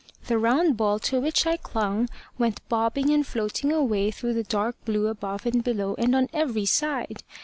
The round ball to which I clung went bobbing and floating away through the dark blue above and below and on every side.